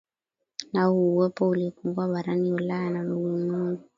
au uwepo uliopungua barani Ulaya na ulimwengu